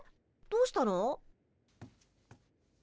どうしたの？